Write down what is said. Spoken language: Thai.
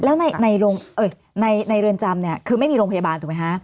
แล้วในเรือนจำเนี่ยคือไม่มีโรงพยาบาลถูกไหมคะ